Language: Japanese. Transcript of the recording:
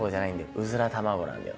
うずら卵なんだよ」。